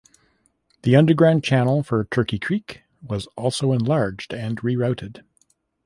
The underground channel for Turkey Creek was also enlarged and rerouted.